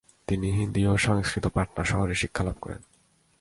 তিনি হিন্দি ও সংস্কৃত পাটনা শহরে শিক্ষা লাভ করেন।